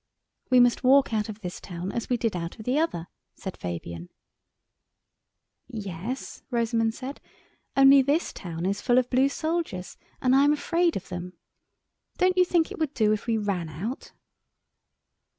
"We must walk out of this town as we did out of the other," said Fabian. "Yes," Rosamund said; "only this town if full of blue soldiers and I am afraid of them. Don't you think it would do if we ran out?"